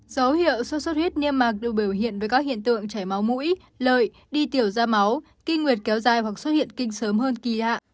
dấu hiệu sốt xuất huyết niêm mạc được biểu hiện với các hiện tượng chảy máu mũi lợi đi tiểu ra máu kinh nguyệt kéo dài hoặc xuất hiện kinh sớm hơn kỳ hạ